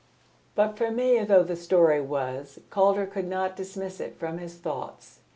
But, familiar though the story was, Calder could not dismiss it from his thoughts.